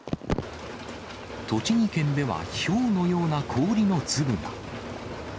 栃木県ではひょうのような氷の粒が。